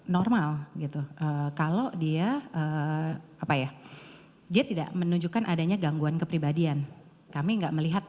normal gitu kalau dia apa ya dia tidak menunjukkan adanya gangguan kepribadian kami enggak melihat